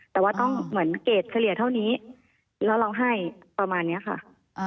แต่ว่าต้องเหมือนเกรดเฉลี่ยเท่านี้แล้วเราให้ประมาณนี้ค่ะ